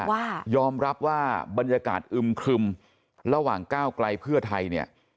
ว่ายอมรับว่าบรรยากาศอึมครึมระหว่างก้าวไกลเพื่อไทยเนี่ย